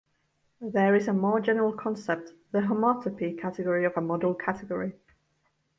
There is a more general concept: the homotopy category of a model category.